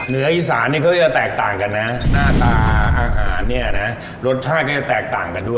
มันโอ้โหเอาเป็นจานนี่ก็พอแล้วเอาเลยครับ